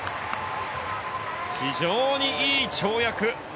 非常にいい跳躍。